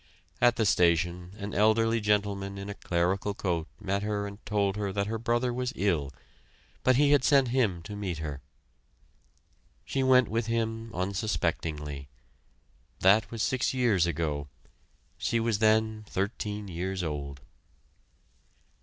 At the station, an elderly gentlemen in a clerical coat met her and told her that her brother was ill, but had sent him to meet her. She went with him unsuspectingly. That was six years ago. She was then thirteen years old.